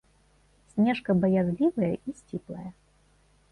Снежка баязлівая і сціплая.